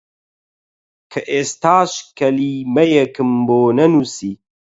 کە ئێستاش کەلیمەیەکم بۆ نەنووسی!